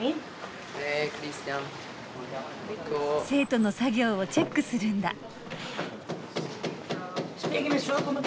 生徒の作業をチェックするんだ。